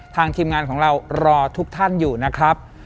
ทีมงานของเรารอทุกท่านอยู่นะครับ